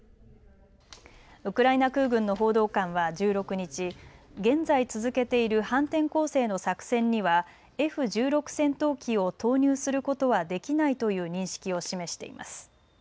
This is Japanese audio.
ウクライナ空軍の報道官は１６日、現在続けている反転攻勢の作戦にはＦ１６戦闘機を投入することはできないという認識を示しています。